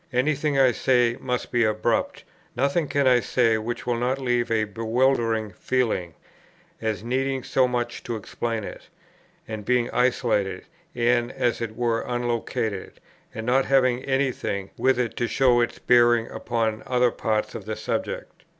Any thing I say must be abrupt; nothing can I say which will not leave a bewildering feeling, as needing so much to explain it, and being isolated, and (as it were) unlocated, and not having any thing with it to show its bearings upon other parts of the subject.